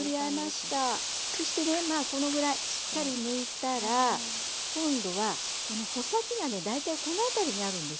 そしてねこのぐらいしっかりむいたら今度はこの穂先がね大体この辺りにあるんですよ。